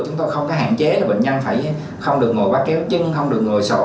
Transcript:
chúng tôi không có hạn chế là bệnh nhân phải không được ngồi bắt kéo chưng không được ngồi sổ